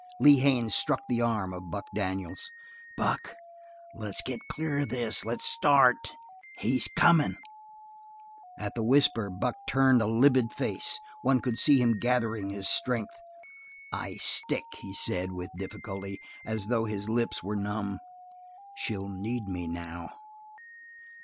Lee Haines struck the arm of Buck Daniels. "Buck, let's get clear of this. Let's start. He's coming." At the whisper Buck turned a livid face; one could see him gather his strength. "I stick," he said with difficulty, as though his lips were numb. "She'll need me now."